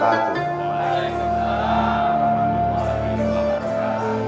waalaikumsalam warahmatullahi wabarakatuh